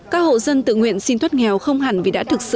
các hộ dân tự nguyện xin thoát nghèo không hẳn vì đã thực sự